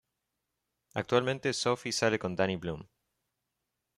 Actualmente Sophie sale con Danny Bloom.